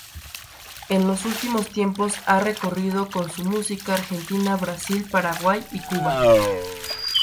En los últimos tiempos ha recorrido con su música Argentina, Brasil, Paraguay y Cuba.